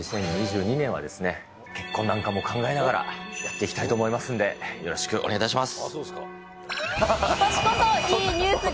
２０２２年はですね、結婚なんかも考えながらやっていきたいと思いますんで、よろしくお願いいたします。